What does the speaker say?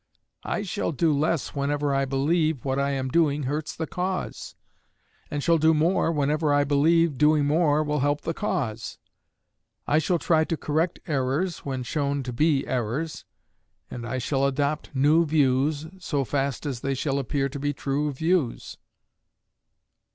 I shall do less whenever I believe what I am doing hurts the cause; and shall do more whenever I believe doing more will help the cause. I shall try to correct errors, when shown to be errors; and I shall adopt new views, so fast as they shall appear to be true views.